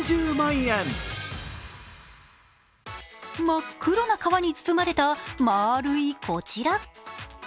真っ黒な皮に包まれた丸いこちら。